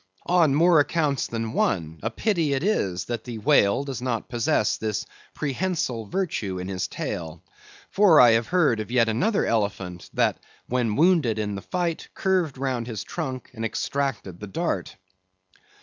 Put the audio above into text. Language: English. On more accounts than one, a pity it is that the whale does not possess this prehensile virtue in his tail; for I have heard of yet another elephant, that when wounded in the fight, curved round his trunk and extracted the dart.